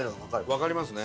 わかりますね。